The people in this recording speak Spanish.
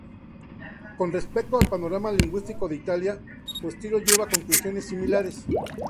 Con respecto al panorama lingüístico de Italia, su estudio lleva a conclusiones similares.